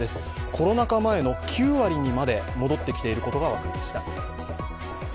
コロナ禍前の９割にまで戻ってきていることが分かりました。